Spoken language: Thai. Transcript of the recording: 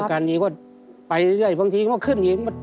อาการดีก็ไปเรื่อยบางทีก็ขึ้นอย่างงี้